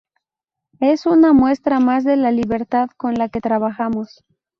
Es una muestra más de la libertad con la que trabajamos.